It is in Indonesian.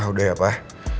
udah ya pak